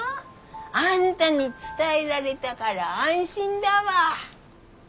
あんたに伝えられたから安心だわ。